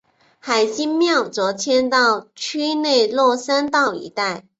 海心庙则迁到区内落山道一带。